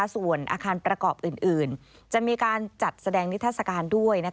ส่วนอาคารประกอบอื่นจะมีการจัดแสดงนิทัศกาลด้วย